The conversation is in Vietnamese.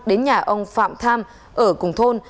đến nhà ông phạm tham ở cùng thôn